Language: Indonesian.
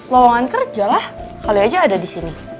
lo loongan kerja lah kalo aja ada di sini